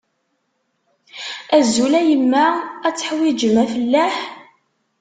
Azul a yemma, ad teḥwijem afellaḥ?